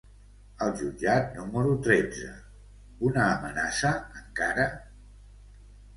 El jutjat número tretze: una amenaça, encara?